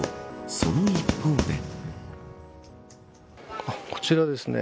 その一方で。